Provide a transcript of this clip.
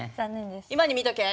今に見とけ！